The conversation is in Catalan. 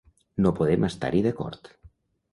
No podem estar-hi d’acord.